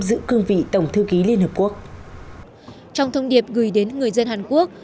giữ cương vị tổng thư ký liên hợp quốc trong thông điệp gửi đến người dân hàn quốc